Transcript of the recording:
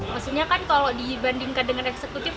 maksudnya kan kalau dibandingkan dengan eksekutif